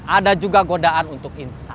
ada juga godaan untuk instan